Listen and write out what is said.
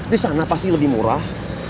di sana pasti lebih murah